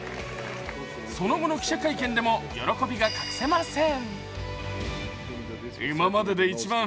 その後の記者会見でも喜びが隠せません。